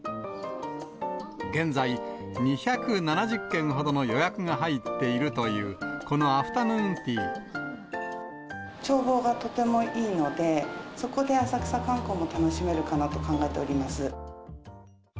現在、２７０件ほどの予約が入っているという、眺望がとてもいいので、そこで浅草観光も楽しめるかなと考えております。